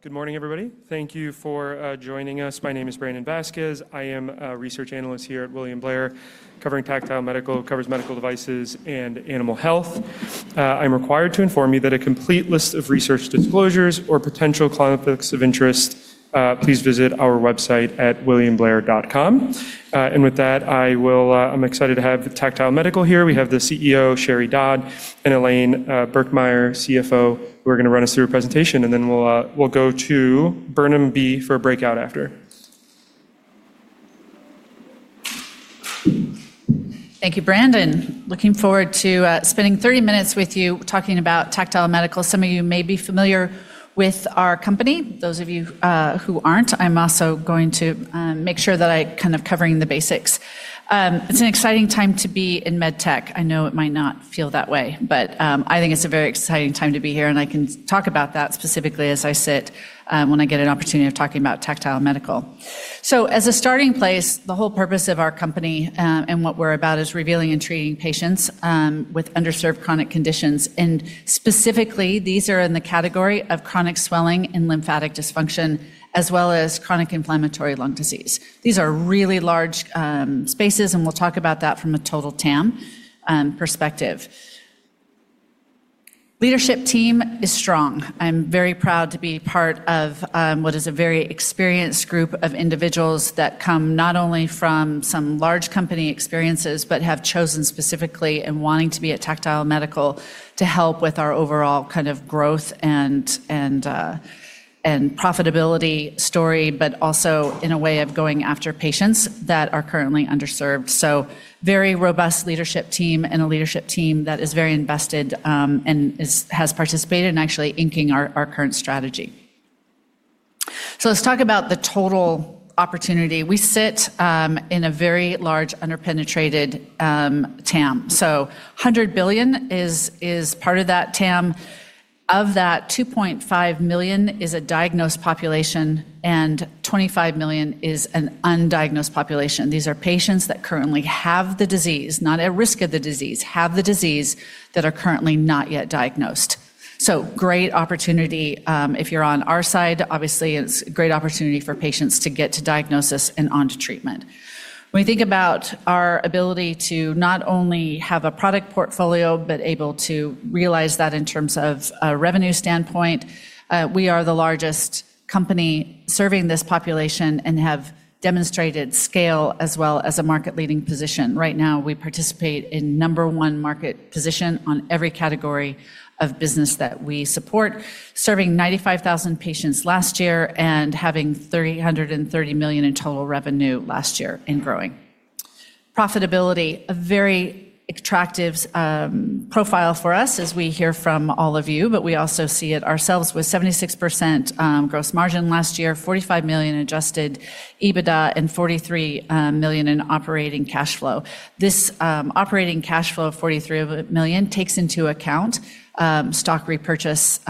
Good morning, everybody. Thank you for joining us. My name is Brandon Vazquez. I am a research analyst here at William Blair, covering Tactile Medical. I cover medical devices and animal health. I'm required to inform you that a complete list of research disclosures or potential conflicts of interest, please visit our website at williamblair.com. With that, I'm excited to have Tactile Medical here. We have the CEO, Sheri Dodd, and Elaine Birkemeyer, CFO, who are going to run us through a presentation, and then we'll go to Burnham B for a breakout after. Thank you, Brandon. Looking forward to spending 30 minutes with you talking about Tactile Medical. Some of you may be familiar with our company. Those of you who aren't, I'm also going to make sure that I'm kind of covering the basics. It's an exciting time to be in medtech. I know it might not feel that way, but I think it's a very exciting time to be here, and I can talk about that specifically as I sit when I get an opportunity of talking about Tactile Medical. As a starting place, the whole purpose of our company, and what we're about is revealing and treating patients with underserved chronic conditions. Specifically, these are in the category of chronic swelling and lymphatic dysfunction as well as chronic inflammatory lung disease. These are really large spaces, and we'll talk about that from a total TAM perspective. Leadership team is strong. I'm very proud to be part of what is a very experienced group of individuals that come not only from some large company experiences but have chosen specifically in wanting to be at Tactile Medical to help with our overall kind of growth and profitability story, but also in a way of going after patients that are currently underserved. Very robust leadership team and a leadership team that is very invested and has participated in actually inking our current strategy. Let's talk about the total opportunity. We sit in a very large, under-penetrated TAM. $100 billion is part of that TAM. Of that, 2.5 million is a diagnosed population, and 25 million is an undiagnosed population. These are patients that currently have the disease, not at risk of the disease, have the disease that are currently not yet diagnosed. Great opportunity. If you're on our side, obviously, it's a great opportunity for patients to get to diagnosis and onto treatment. When we think about our ability to not only have a product portfolio but able to realize that in terms of a revenue standpoint, we are the largest company serving this population and have demonstrated scale as well as a market-leading position. Right now, we participate in number one market position on every category of business that we support, serving 95,000 patients last year and having $330 million in total revenue last year and growing. Profitability, a very attractive profile for us as we hear from all of you, but we also see it ourselves with 76% gross margin last year, $45 million adjusted EBITDA, and $43 million in operating cash flow. This operating cash flow of $43 million takes into account stock repurchase.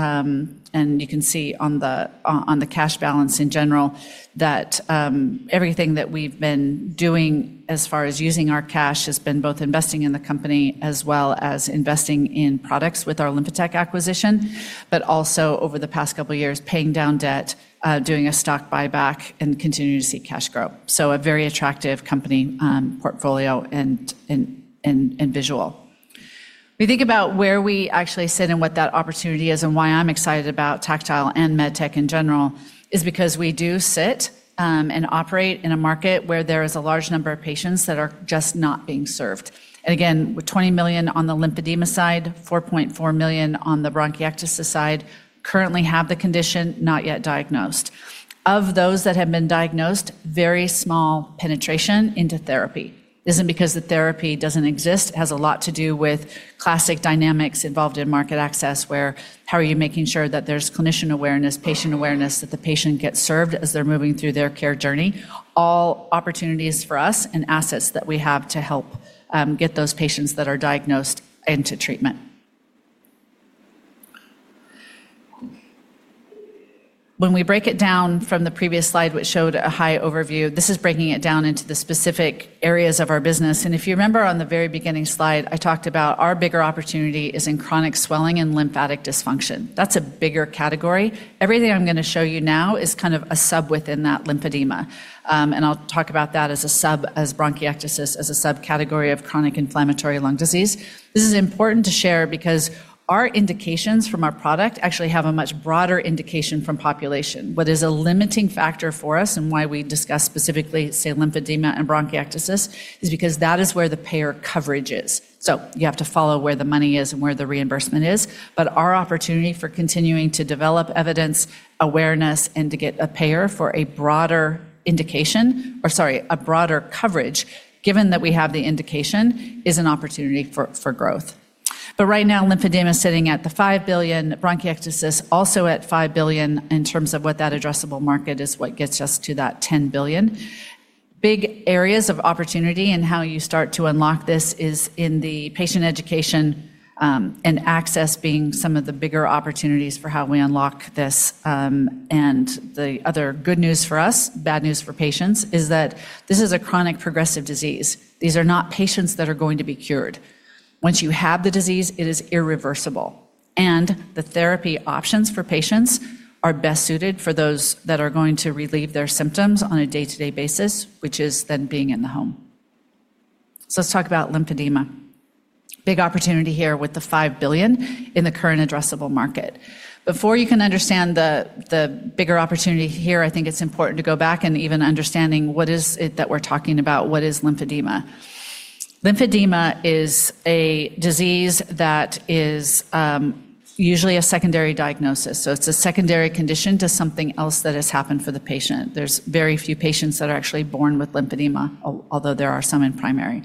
You can see on the cash balance in general that everything that we've been doing as far as using our cash has been both investing in the company as well as investing in products with our LymphaTech acquisition, but also over the past couple of years, paying down debt, doing a stock buyback, and continuing to see cash grow. A very attractive company portfolio and visual. We think about where we actually sit and what that opportunity is and why I'm excited about Tactile and med tech in general is because we do sit and operate in a market where there is a large number of patients that are just not being served. Again, with $20 million on the lymphedema side, $4.4 million on the bronchiectasis side currently have the condition not yet diagnosed. Of those that have been diagnosed, very small penetration into therapy. This isn't because the therapy doesn't exist. It has a lot to do with classic dynamics involved in market access, where how are you making sure that there's clinician awareness, patient awareness, that the patient gets served as they're moving through their care journey. All opportunities for us and assets that we have to help get those patients that are diagnosed into treatment. When we break it down from the previous slide, which showed a high overview, this is breaking it down into the specific areas of our business. If you remember on the very beginning slide, I talked about our bigger opportunity is in chronic swelling and lymphatic dysfunction. That's a bigger category. Everything I'm going to show you now is kind of a sub within that lymphedema. I'll talk about that as a sub as bronchiectasis as a subcategory of chronic inflammatory lung disease. This is important to share because our indications from our product actually have a much broader indication from population. What is a limiting factor for us and why we discuss specifically, say, lymphedema and bronchiectasis is because that is where the payer coverage is. You have to follow where the money is and where the reimbursement is. Our opportunity for continuing to develop evidence, awareness, and to get a payer for a broader indication or, sorry, a broader coverage, given that we have the indication, is an opportunity for growth. Right now, lymphedema is sitting at the $5 billion. Bronchiectasis also at $5 billion in terms of what that addressable market is what gets us to that $10 billion. Big areas of opportunity how you start to unlock this is in the patient education and access being some of the bigger opportunities for how we unlock this. The other good news for us, bad news for patients, is that this is a chronic progressive disease. These are not patients that are going to be cured. Once you have the disease, it is irreversible. The therapy options for patients are best suited for those that are going to relieve their symptoms on a day-to-day basis, which is then being in the home. Let's talk about lymphedema. Big opportunity here with the $5 billion in the current addressable market. Before you can understand the bigger opportunity here, I think it's important to go back and even understanding what is it that we're talking about. What is lymphedema? Lymphedema is a disease that is usually a secondary diagnosis. It's a secondary condition to something else that has happened for the patient. There's very few patients that are actually born with lymphedema, although there are some in primary.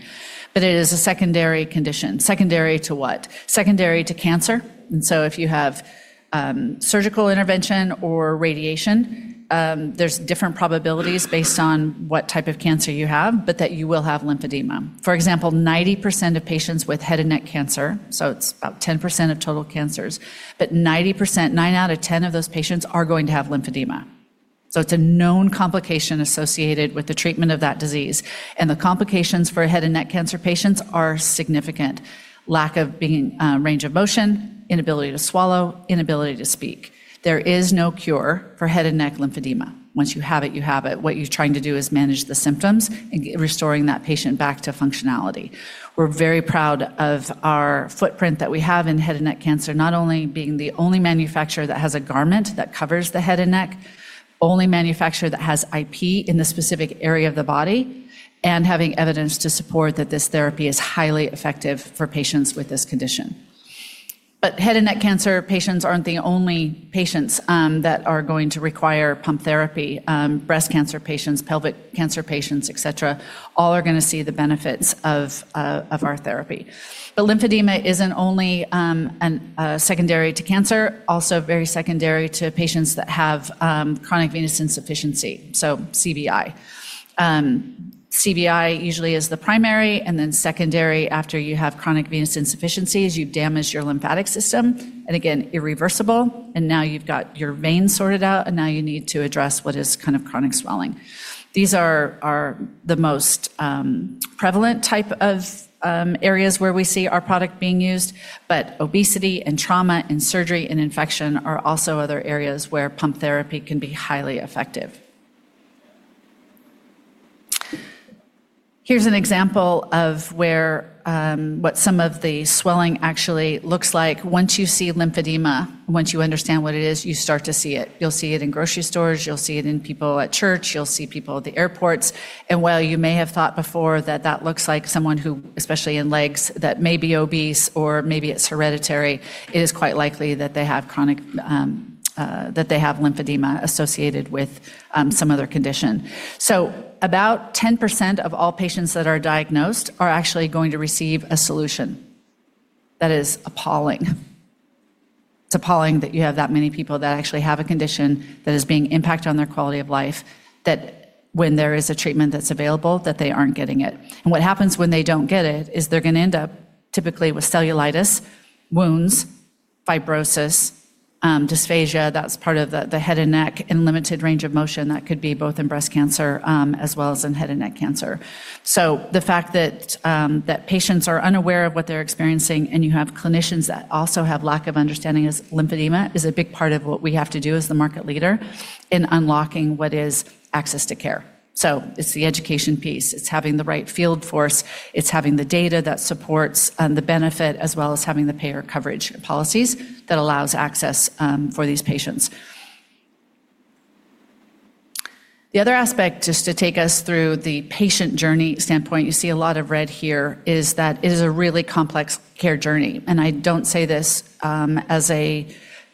It is a secondary condition. Secondary to what? Secondary to cancer. If you have surgical intervention or radiation, there's different probabilities based on what type of cancer you have, but that you will have lymphedema. For example, 90% of patients with head and neck cancer, so it's about 10% of total cancers, but 90%, nine out of 10 of those patients are going to have lymphedema. It's a known complication associated with the treatment of that disease. The complications for head and neck cancer patients are significant. Lack of range of motion, inability to swallow, inability to speak. There is no cure for head and neck lymphedema. Once you have it, you have it. What you're trying to do is manage the symptoms and restoring that patient back to functionality. We're very proud of our footprint that we have in head and neck cancer, not only being the only manufacturer that has a garment that covers the head and neck, only manufacturer that has IP in the specific area of the body, and having evidence to support that this therapy is highly effective for patients with this condition. Head and neck cancer patients aren't the only patients that are going to require pump therapy. Breast cancer patients, pelvic cancer patients, et cetera, all are going to see the benefits of our therapy. Lymphedema isn't only secondary to cancer, also very secondary to patients that have chronic venous insufficiency, so CVI. CVI usually is the primary, and then secondary after you have chronic venous insufficiency is you've damaged your lymphatic system, and again, irreversible, and now you've got your veins sorted out, and now you need to address what is kind of chronic swelling. These are the most prevalent type of areas where we see our product being used, but obesity and trauma and surgery and infection are also other areas where pump therapy can be highly effective. Here's an example of what some of the swelling actually looks like. Once you see lymphedema, once you understand what it is, you start to see it. You'll see it in grocery stores. You'll see it in people at church. You'll see people at the airports. While you may have thought before that that looks like someone who, especially in legs, that may be obese or maybe it's hereditary, it is quite likely that they have lymphedema associated with some other condition. About 10% of all patients that are diagnosed are actually going to receive a solution. That is appalling. It's appalling that you have that many people that actually have a condition that is impacting their quality of life, that when there is a treatment that's available, that they aren't getting it. What happens when they don't get it is they're going to end up typically with cellulitis, wounds, fibrosis, dysphagia, that's part of the head and neck, and limited range of motion. That could be both in breast cancer as well as in head and neck cancer. The fact that patients are unaware of what they're experiencing and you have clinicians that also have lack of understanding as lymphedema is a big part of what we have to do as the market leader in unlocking what is access to care. It's the education piece. It's having the right field force. It's having the data that supports the benefit as well as having the payer coverage policies that allows access for these patients. The other aspect, just to take us through the patient journey standpoint, you see a lot of red here, is that it is a really complex care journey. I don't say this as a,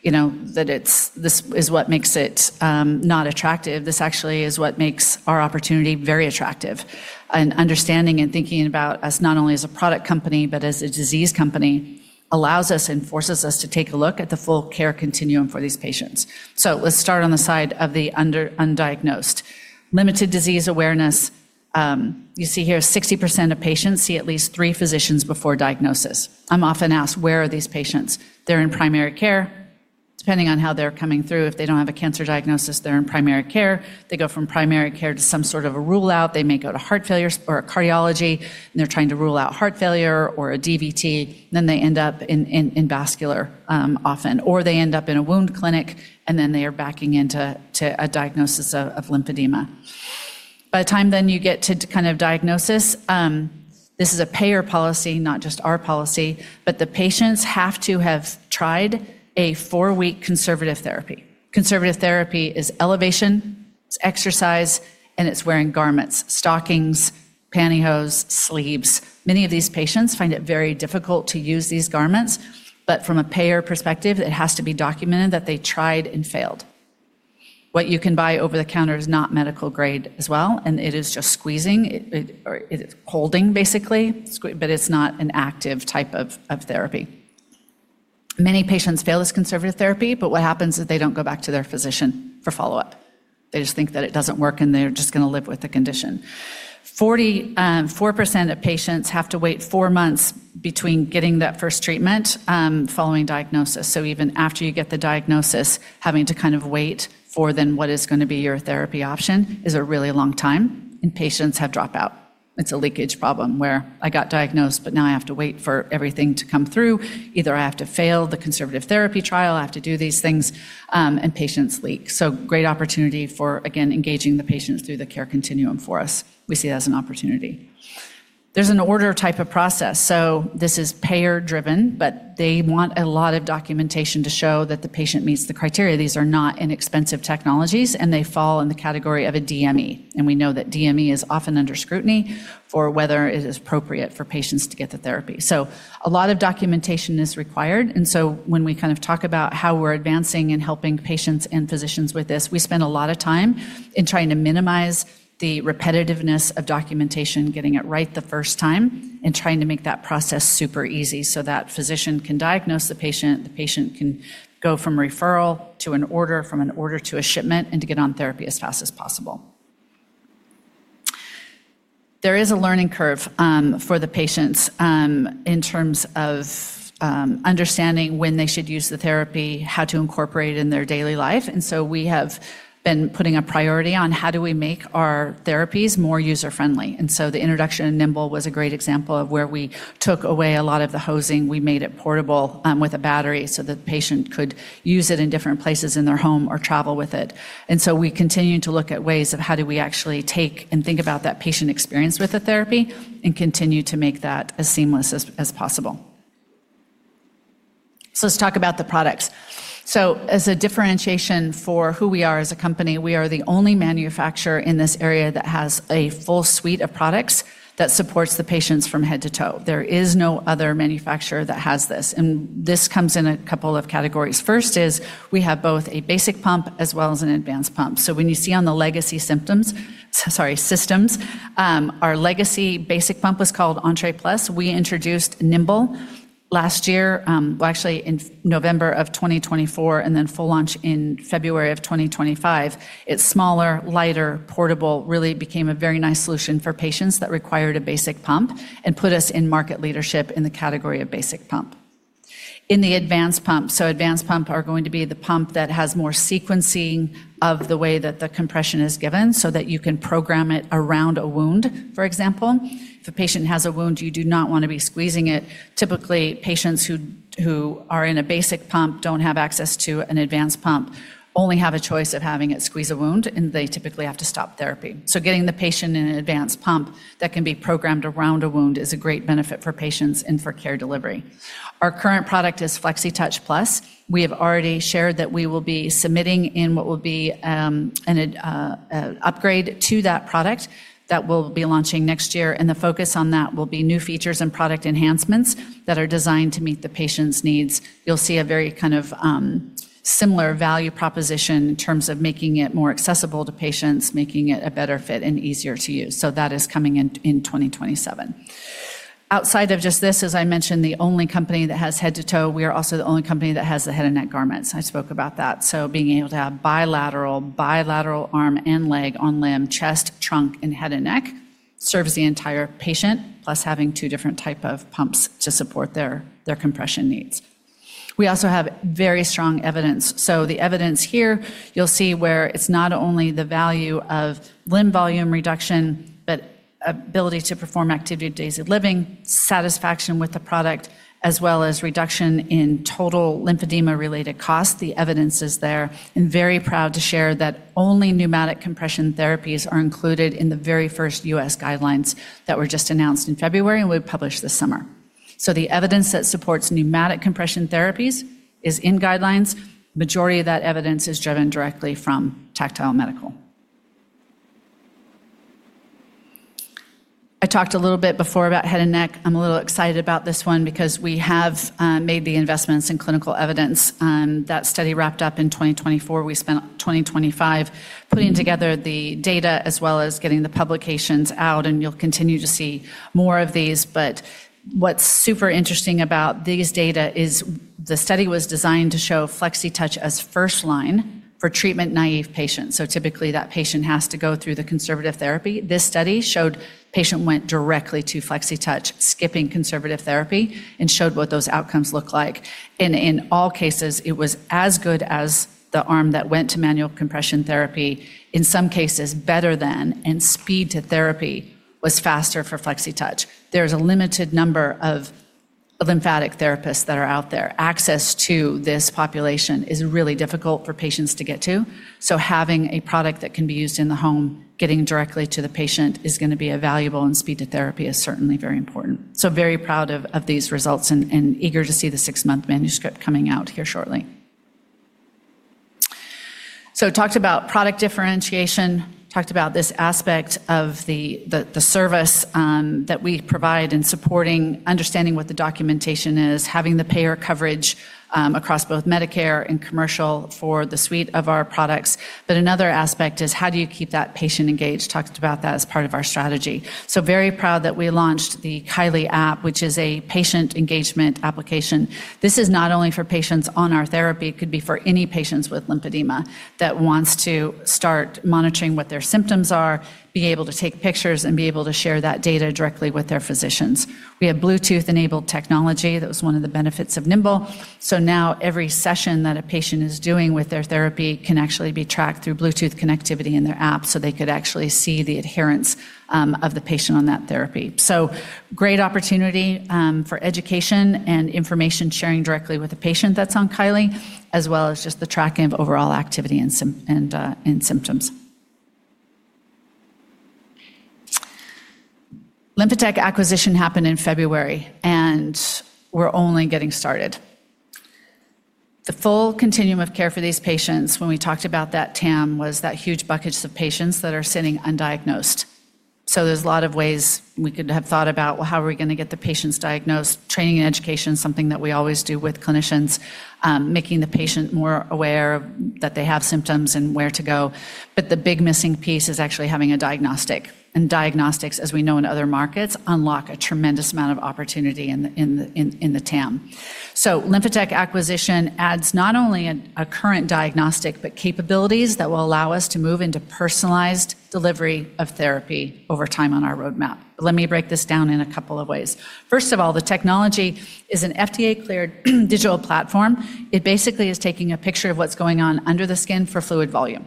that this is what makes it not attractive. This actually is what makes our opportunity very attractive. Understanding and thinking about us not only as a product company, but as a disease company, allows us and forces us to take a look at the full care continuum for these patients. Let's start on the side of the undiagnosed. Limited disease awareness. You see here 60% of patients see at least three physicians before diagnosis. I'm often asked, where are these patients? They're in primary care, depending on how they're coming through. If they don't have a cancer diagnosis, they're in primary care. They go from primary care to some sort of a rule-out. They may go to cardiology, and they're trying to rule out heart failure or a DVT. They end up in vascular often, or they end up in a wound clinic, and then they are backing into a diagnosis of lymphedema. By the time then you get to kind of diagnosis, this is a payer policy, not just our policy, but the patients have to have tried a four-week conservative therapy. Conservative therapy is elevation, it's exercise, and it's wearing garments, stockings, pantyhose, sleeves. Many of these patients find it very difficult to use these garments, but from a payer perspective, it has to be documented that they tried and failed. What you can buy over the counter is not medical grade as well, and it is just squeezing, or it is holding basically, but it's not an active type of therapy. Many patients fail this conservative therapy, but what happens is they don't go back to their physician for follow-up. They just think that it doesn't work, and they're just going to live with the condition. 44% of patients have to wait four months between getting that first treatment following diagnosis. Even after you get the diagnosis, having to kind of wait for then what is going to be your therapy option is a really long time, and patients have dropout. It's a leakage problem where I got diagnosed, but now I have to wait for everything to come through. Either I have to fail the conservative therapy trial, I have to do these things, and patients leak. Great opportunity for, again, engaging the patients through the care continuum for us. We see it as an opportunity. There's an order type of process. This is payer-driven, but they want a lot of documentation to show that the patient meets the criteria. These are not inexpensive technologies, and they fall in the category of a DME. We know that DME is often under scrutiny for whether it is appropriate for patients to get the therapy. A lot of documentation is required, and so when we talk about how we're advancing and helping patients and physicians with this, we spend a lot of time in trying to minimize the repetitiveness of documentation, getting it right the first time, and trying to make that process super easy so that physician can diagnose the patient, the patient can go from referral to an order, from an order to a shipment, and to get on therapy as fast as possible. There is a learning curve for the patients in terms of understanding when they should use the therapy, how to incorporate it in their daily life, and so we have been putting a priority on how do we make our therapies more user-friendly. The introduction of Nimbl was a great example of where we took away a lot of the hosing. We made it portable with a battery so the patient could use it in different places in their home or travel with it. We continue to look at ways of how do we actually take and think about that patient experience with the therapy and continue to make that as seamless as possible. Let's talk about the products. As a differentiation for who we are as a company, we are the only manufacturer in this area that has a full suite of products that supports the patients from head to toe. There is no other manufacturer that has this, and this comes in a couple of categories. First is we have both a basic pump as well as an advanced pump. When you see on the legacy systems, our legacy basic pump was called Entre Plus. We introduced Nimbl last year, well, actually in November of 2024, full launch in February of 2025. It's smaller, lighter, portable. Really became a very nice solution for patients that required a basic pump and put us in market leadership in the category of basic pump. In the advanced pump, advanced pump are going to be the pump that has more sequencing of the way that the compression is given so that you can program it around a wound, for example. If a patient has a wound, you do not want to be squeezing it. Typically, patients who are in a basic pump, don't have access to an advanced pump, only have a choice of having it squeeze a wound, and they typically have to stop therapy. Getting the patient in an advanced pump that can be programmed around a wound is a great benefit for patients and for care delivery. Our current product is Flexitouch Plus. We have already shared that we will be submitting in what will be an upgrade to that product that we'll be launching next year, and the focus on that will be new features and product enhancements that are designed to meet the patient's needs. You'll see a very kind of similar value proposition in terms of making it more accessible to patients, making it a better fit and easier to use. That is coming in 2027. Outside of just this, as I mentioned, the only company that has head to toe, we are also the only company that has the head and neck garments. I spoke about that. Being able to have bilateral arm and leg on limb, chest, trunk, and head and neck serves the entire patient, plus having two different type of pumps to support their compression needs. We also have very strong evidence. The evidence here, you'll see where it's not only the value of limb volume reduction, but ability to perform activity of daily living, satisfaction with the product, as well as reduction in total lymphedema-related cost. The evidence is there, and very proud to share that only pneumatic compression therapies are included in the very first U.S. guidelines that were just announced in February and will be published this summer. The evidence that supports pneumatic compression therapies is in guidelines. Majority of that evidence is driven directly from Tactile Medical. I talked a little bit before about head and neck. I'm a little excited about this one because we have made the investments in clinical evidence. That study wrapped up in 2024. We spent 2025 putting together the data as well as getting the publications out, and you'll continue to see more of these. What's super interesting about these data is the study was designed to show Flexitouch as first line for treatment-naive patients. Typically, that patient has to go through the conservative therapy. This study showed patient went directly to Flexitouch, skipping conservative therapy, and showed what those outcomes look like. In all cases, it was as good as the arm that went to manual compression therapy. In some cases, better than, and speed to therapy was faster for Flexitouch. There is a limited number of lymphatic therapists that are out there. Access to this population is really difficult for patients to get to. Having a product that can be used in the home, getting directly to the patient is going to be valuable, and speed to therapy is certainly very important. Very proud of these results and eager to see the six-month manuscript coming out here shortly. Talked about product differentiation, talked about this aspect of the service that we provide in supporting understanding what the documentation is, having the payer coverage across both Medicare and commercial for the suite of our products. Another aspect is how do you keep that patient engaged? Talked about that as part of our strategy. Very proud that we launched the Kylee app, which is a patient engagement application. This is not only for patients on our therapy, it could be for any patients with lymphedema that wants to start monitoring what their symptoms are, be able to take pictures, and be able to share that data directly with their physicians. We have Bluetooth-enabled technology. That was one of the benefits of Nimbl. Now every session that a patient is doing with their therapy can actually be tracked through Bluetooth connectivity in their app, so they could actually see the adherence of the patient on that therapy. Great opportunity for education and information sharing directly with the patient that's on Kylee, as well as just the tracking of overall activity and symptoms. LymphaTech acquisition happened in February, and we're only getting started. The full continuum of care for these patients, when we talked about that TAM, was that huge bucket of patients that are sitting undiagnosed. There's a lot of ways we could have thought about how are we going to get the patients diagnosed, training and education, something that we always do with clinicians, making the patient more aware that they have symptoms and where to go. The big missing piece is actually having a diagnostic, and diagnostics, as we know in other markets, unlock a tremendous amount of opportunity in the TAM. LymphaTech acquisition adds not only a current diagnostic, but capabilities that will allow us to move into personalized delivery of therapy over time on our roadmap. Let me break this down in a couple of ways. First of all, the technology is an FDA-cleared digital platform. It basically is taking a picture of what's going on under the skin for fluid volume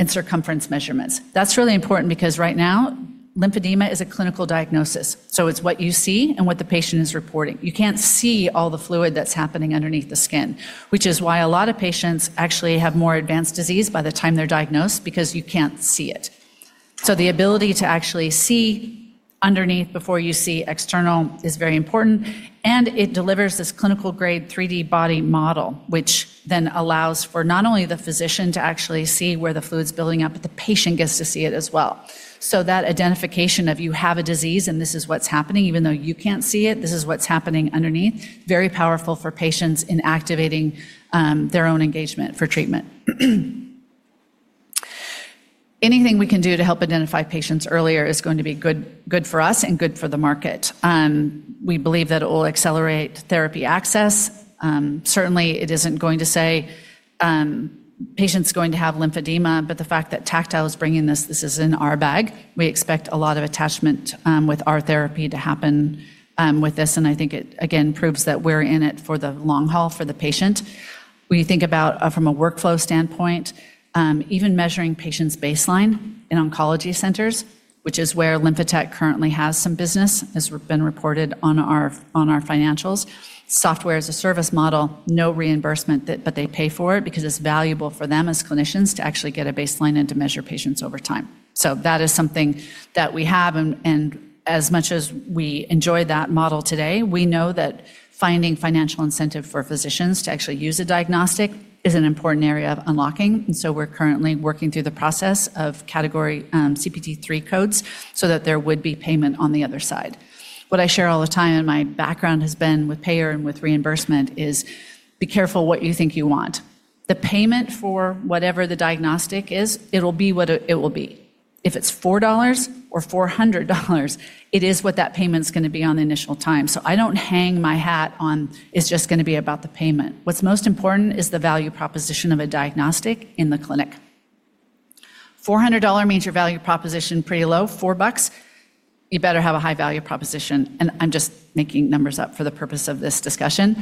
and circumference measurements. That's really important because right now, lymphedema is a clinical diagnosis, so it's what you see and what the patient is reporting. You can't see all the fluid that's happening underneath the skin, which is why a lot of patients actually have more advanced disease by the time they're diagnosed because you can't see it. The ability to actually see underneath before you see external is very important, and it delivers this clinical grade 3D body model, which then allows for not only the physician to actually see where the fluid's building up, but the patient gets to see it as well. That identification of you have a disease, and this is what's happening, even though you can't see it, this is what's happening underneath. Very powerful for patients in activating their own engagement for treatment. Anything we can do to help identify patients earlier is going to be good for us and good for the market. We believe that it will accelerate therapy access. Certainly, it isn't going to say patient's going to have lymphedema, but the fact that Tactile is bringing this is in our bag. We expect a lot of attachment with our therapy to happen with this, and I think it, again, proves that we're in it for the long haul for the patient. When you think about from a workflow standpoint, even measuring patients' baseline in oncology centers, which is where LymphaTech currently has some business, has been reported on our financials. Software as a service model, no reimbursement, they pay for it because it's valuable for them as clinicians to actually get a baseline and to measure patients over time. That is something that we have, as much as we enjoy that model today, we know that finding financial incentive for physicians to actually use a diagnostic is an important area of unlocking. We're currently working through the process of category CPT III codes so that there would be payment on the other side. What I share all the time, my background has been with payer and with reimbursement, is be careful what you think you want. The payment for whatever the diagnostic is, it'll be what it will be. If it's $4 or $400, it is what that payment's going to be on the initial time. I don't hang my hat on it's just going to be about the payment. What's most important is the value proposition of a diagnostic in the clinic. $400 means your value proposition pretty low. $4, you better have a high value proposition. I'm just making numbers up for the purpose of this discussion.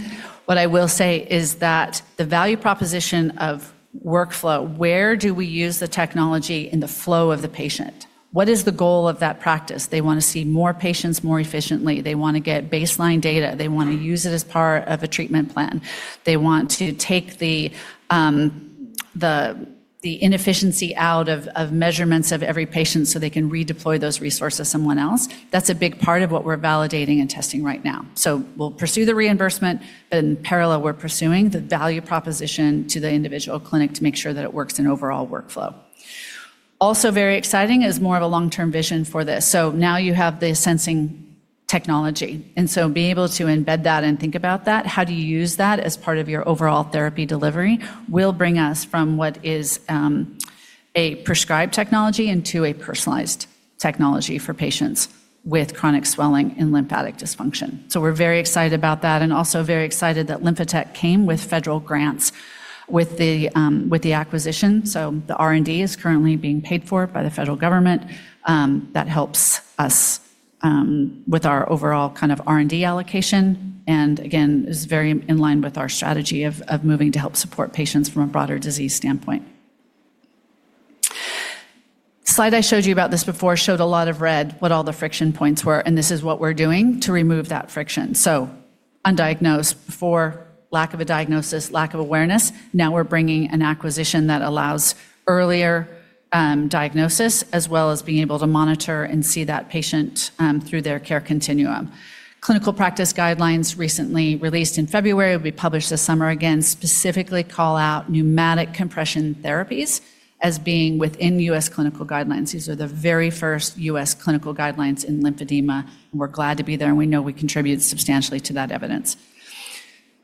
What I will say is that the value proposition of workflow, where do we use the technology in the flow of the patient? What is the goal of that practice? They want to see more patients more efficiently. They want to get baseline data. They want to use it as part of a treatment plan. They want to take the inefficiency out of measurements of every patient so they can redeploy those resources somewhere else. That's a big part of what we're validating and testing right now. We'll pursue the reimbursement, but in parallel, we're pursuing the value proposition to the individual clinic to make sure that it works in overall workflow. Also very exciting is more of a long-term vision for this. Now you have the sensing technology. Being able to embed that and think about that, how do you use that as part of your overall therapy delivery, will bring us from what is a prescribed technology into a personalized technology for patients with chronic swelling and lymphatic dysfunction. We're very excited about that and also very excited that LymphaTech came with federal grants with the acquisition. The R&D is currently being paid for by the federal government. That helps us with our overall kind of R&D allocation and again, is very in line with our strategy of moving to help support patients from a broader disease standpoint. Slide I showed you about this before showed a lot of red, what all the friction points were, and this is what we're doing to remove that friction. Undiagnosed before, lack of a diagnosis, lack of awareness. Now we're bringing an acquisition that allows earlier diagnosis, as well as being able to monitor and see that patient through their care continuum. Clinical practice guidelines recently released in February, will be published this summer, again, specifically call out pneumatic compression therapies as being within U.S. clinical guidelines. These are the very first U.S. clinical guidelines in lymphedema, and we're glad to be there, and we know we contribute substantially to that evidence.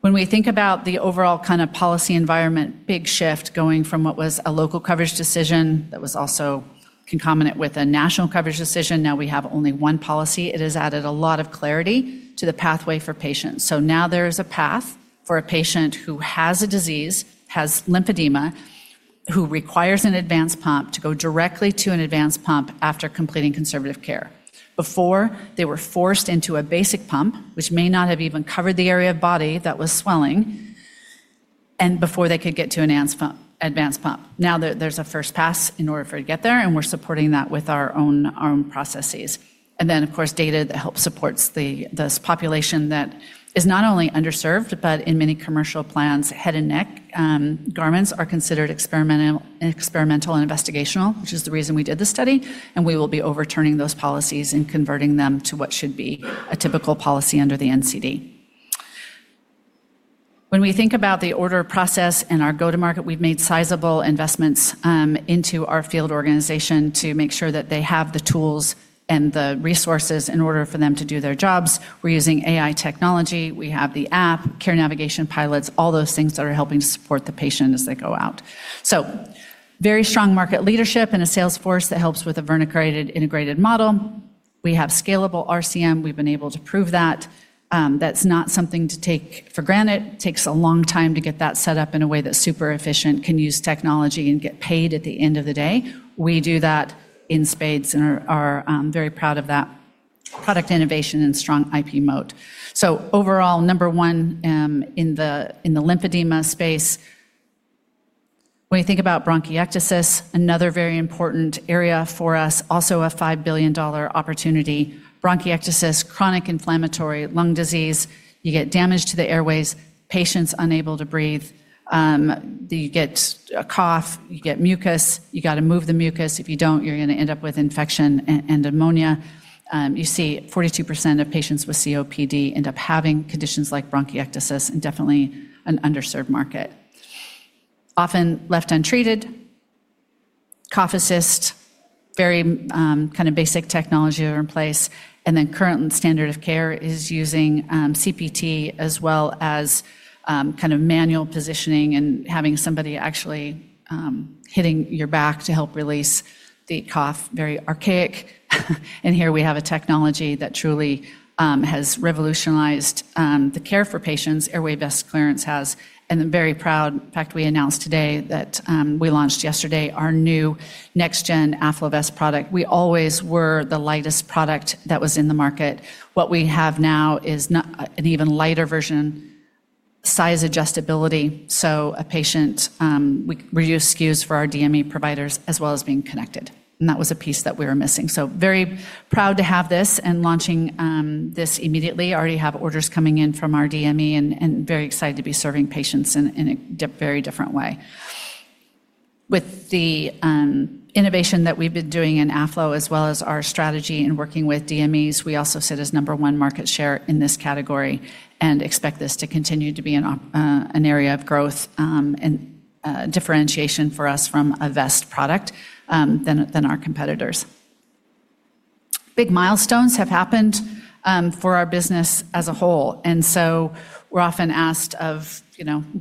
When we think about the overall kind of policy environment, big shift going from what was a Local Coverage Decision that was also concomitant with a National Coverage Decision. Now we have only one policy. It has added a lot of clarity to the pathway for patients. There is a path for a patient who has a disease, has lymphedema, who requires an advanced pump to go directly to an advanced pump after completing conservative care. Before, they were forced into a basic pump, which may not have even covered the area of body that was swelling, and before they could get to an advanced pump. There's a first pass in order for it to get there, and we're supporting that with our own processes. Of course, data that help supports this population that is not only underserved, but in many commercial plans, head and neck garments are considered experimental and investigational, which is the reason we did this study, and we will be overturning those policies and converting them to what should be a typical policy under the NCD. When we think about the order process and our go-to-market, we've made sizable investments into our field organization to make sure that they have the tools and the resources in order for them to do their jobs. We're using AI technology. We have the app, care navigation pilots, all those things that are helping support the patient as they go out. Very strong market leadership and a sales force that helps with a vertically integrated model. We have scalable RCM. We've been able to prove that. That's not something to take for granted. It takes a long time to get that set up in a way that's super efficient, can use technology and get paid at the end of the day. We do that in spades and are very proud of that product innovation and strong IP moat. Overall, number one in the lymphedema space. When you think about bronchiectasis, another very important area for us, also a $5 billion opportunity. Bronchiectasis, chronic inflammatory lung disease. You get damage to the airways, patients unable to breathe, you get a cough, you get mucus, you got to move the mucus. If you don't, you're going to end up with infection and pneumonia. You see 42% of patients with COPD end up having conditions like bronchiectasis and definitely an underserved market. Often left untreated. Cough assist, very kind of basic technology are in place. Current standard of care is using CPT as well as kind of manual positioning and having somebody actually hitting your back to help release the cough. Very archaic. Here we have a technology that truly has revolutionized the care for patients, airway vest clearance has. I'm very proud, in fact, we announced today that we launched yesterday our new next gen AffloVest product. We always were the lightest product that was in the market. What we have now is an even lighter version, size adjustability, so we use SKUs for our DME providers as well as being connected, and that was a piece that we were missing. Very proud to have this and launching this immediately. Already have orders coming in from our DME and very excited to be serving patients in a very different way. With the innovation that we've been doing in Afflo as well as our strategy in working with DMEs, we also sit as number one market share in this category and expect this to continue to be an area of growth and differentiation for us from a vest product than our competitors. We're often asked,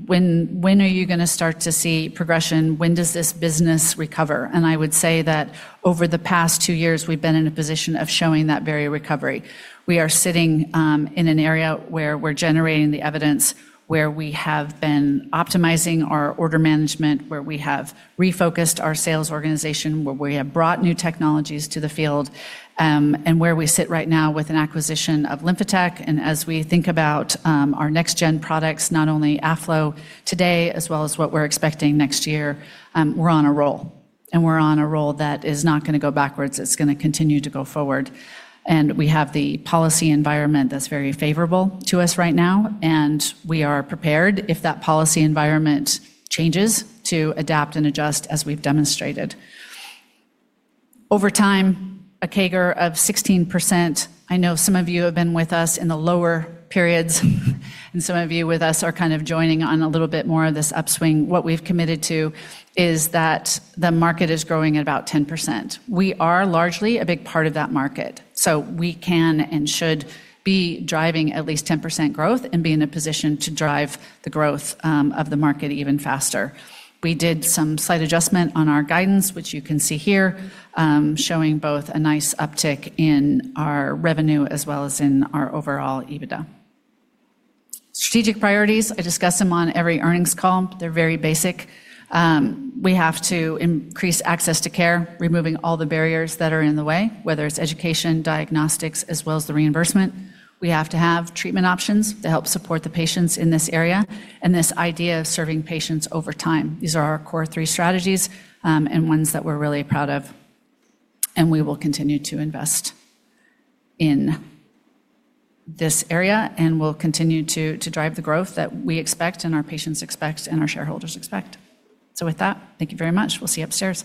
"When are you going to start to see progression? When does this business recover?" I would say that over the past two years, we've been in a position of showing that very recovery. We are sitting in an area where we're generating the evidence, where we have been optimizing our order management, where we have refocused our sales organization, where we have brought new technologies to the field, and where we sit right now with an acquisition of LymphaTech. As we think about our next-gen products, not only AffloVest today as well as what we're expecting next year, we're on a roll. We're on a roll that is not going to go backwards. It's going to continue to go forward. We have the policy environment that's very favorable to us right now, and we are prepared if that policy environment changes to adapt and adjust as we've demonstrated. Over time, a CAGR of 16%. I know some of you have been with us in the lower periods and some of you with us are kind of joining on a little bit more of this upswing. What we've committed to is that the market is growing at about 10%. We are largely a big part of that market, so we can and should be driving at least 10% growth and be in a position to drive the growth of the market even faster. We did some slight adjustment on our guidance, which you can see here, showing both a nice uptick in our revenue as well as in our overall EBITDA. Strategic priorities, I discuss them on every earnings call. They're very basic. We have to increase access to care, removing all the barriers that are in the way, whether it's education, diagnostics, as well as the reimbursement. We have to have treatment options to help support the patients in this area and this idea of serving patients over time. These are our core three strategies and ones that we're really proud of, and we will continue to invest in this area, and we'll continue to drive the growth that we expect and our patients expect and our shareholders expect. With that, thank you very much. We'll see you upstairs.